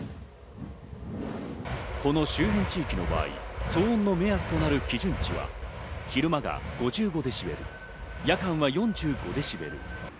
この周辺地域の場合、騒音の目安となる基準値は、昼間が５５デシベル、夜間は４５デシベル。